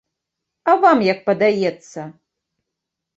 А вам як падаецца?